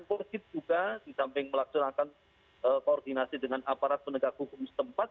wajib juga disamping melaksanakan koordinasi dengan aparat penegak hukum setempat